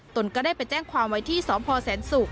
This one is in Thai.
ตนแต่ไปแจ้งความไว้ที่ศพอศสุข